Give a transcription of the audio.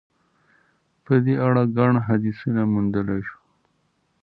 په دې اړه ګڼ حدیثونه موندلای شو.